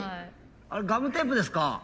あれガムテープですか？